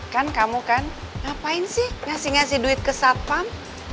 kan kamu kan ngapain sih ngasih ngasih duit ke satpam